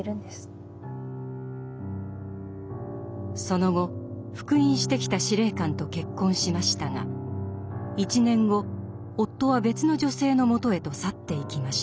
その後復員してきた司令官と結婚しましたが１年後夫は別の女性のもとへと去っていきました。